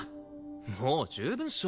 もう十分っしょ。